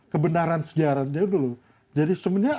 kebenaran sejarah itu dulu jadi sebenarnya apa yang